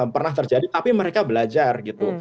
pernah terjadi tapi mereka belajar gitu